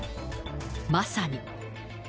まさに。